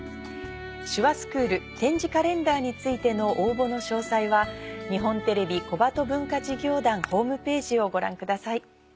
手話スクール点字カレンダーについての応募の詳細は日本テレビ小鳩文化事業団ホームページをご覧ください。